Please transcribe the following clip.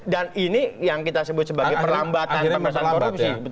dan ini yang kita sebut sebagai perlambatan pemeriksaan korupsi